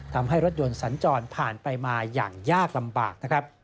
ทำให้รถยนต์สัญจรผ่านไปมาอย่างยากลำบากนะครับ